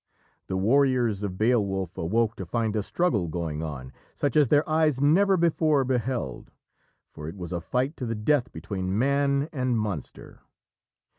The warriors of Beowulf awoke to find a struggle going on such as their eyes never before beheld, for it was a fight to the death between man and monster.